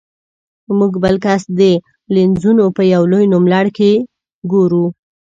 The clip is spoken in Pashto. موږ بل کس د لینزونو په یو لوی نوملړ کې ګورو.